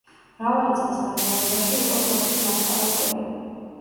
მრავალი წლის განმავლობაში იყო სოფლის მასწავლებელი.